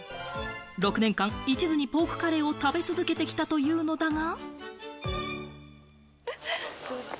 ６年間、一途にポークカレーを食べ続けてきたというのだが。